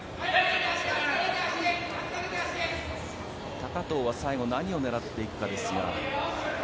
高藤は最後何を狙っていくかですが。